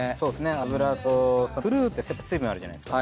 脂とフルーツって水分あるじゃないですか。